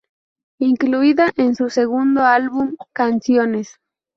Incluida en su segundo álbum, Canciones.